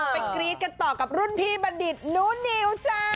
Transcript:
กรี๊ดกันต่อกับรุ่นพี่บัณฑิตหนูนิวจ้า